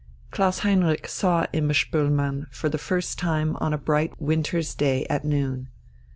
Klaus Heinrich saw Imma Spoelmann for the first time on a bright winter's day at noon.